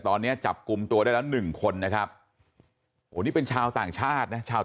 ตอนนี้จับกลุ่มตัวได้ละ๑คนนะครับนี่เป็นชาวต่างชาติชาว